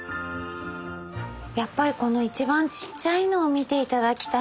やっぱりこの一番ちっちゃいのを見て頂きたいなと思います。